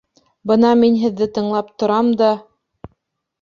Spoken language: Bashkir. Бына мин һеҙҙе тыңлап торам да...